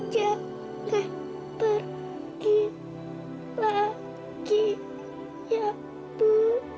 jangan pergi lagi ya ibu